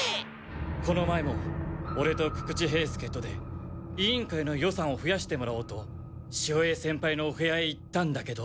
この前もオレと久々知兵助とで委員会の予算を増やしてもらおうと潮江先輩のお部屋へ行ったんだけど。